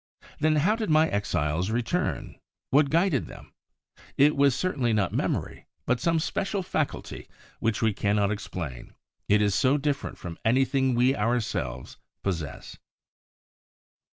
Then how did my exiles return? What guided them? It was certainly not memory, but some special faculty which we cannot explain, it is so different from anything we ourselves possess.